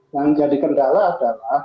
yang jadi kendala adalah